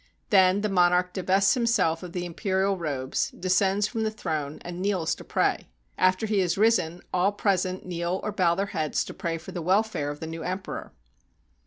Then the monarch divests himself of the imperial robes, descends from the throne, and kneels to pray. After he has risen, all present kneel or bow their heads to pray for the welfare of the new emperor.